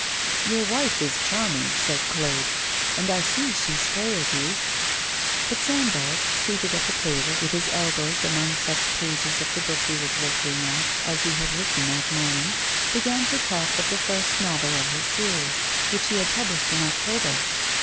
'Your wife is charming,' said Claude, 'and I see she spoils you.' But Sandoz, seated at his table, with his elbows among such pages of the book he was working at as he had written that morning, began to talk of the first novel of his series, which he had published in October.